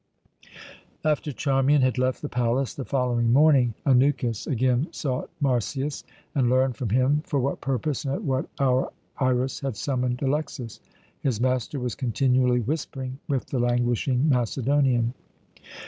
After Charmian had left the palace the following morning, Anukis again sought Marsyas and learned from him for what purpose and at what hour Iras had summoned Alexas. His master was continually whispering with the languishing Macedonian.